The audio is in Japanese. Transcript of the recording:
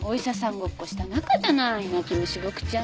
ごっこした仲じゃない泣き虫ボクちゃん。